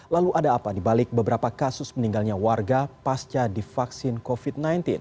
lalu ada apa dibalik beberapa kasus meninggalnya warga pasca divaksin covid sembilan belas